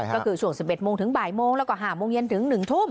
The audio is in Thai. ก็คือช่วง๑๑โมงถึงบ่ายโมงแล้วก็๕โมงเย็นถึง๑ทุ่ม